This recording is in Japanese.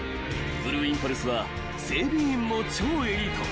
［ブルーインパルスは整備員も超エリート］